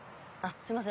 すいません